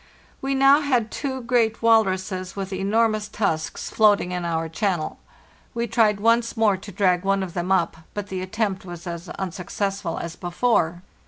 We now had two great walruses with enormous tusks LAND AT LAST 407 floating in our channel. We tried once more to drag one of them up, but the attempt was as unsuccessful as before.